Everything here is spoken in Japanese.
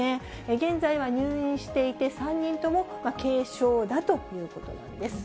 現在は入院していて、３人とも軽症だということなんです。